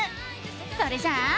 それじゃあ。